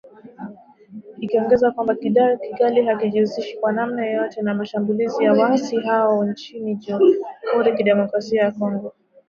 Ikiongezea kwamba “Kigali haijihusishi kwa namna yoyote na mashambulizi ya waasi hao nchini Jamhuri ya Kidemokrasia ya Kongo"